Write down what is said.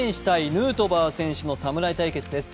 ヌートバー選手の侍対決です。